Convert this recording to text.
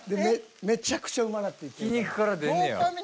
めちゃくちゃうまなっていってるから。